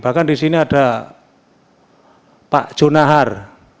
bahkan di sini ada pak junahar